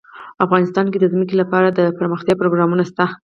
افغانستان کې د ځمکه لپاره دپرمختیا پروګرامونه شته.